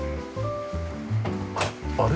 あれ？